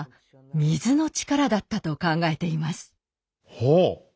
ほう！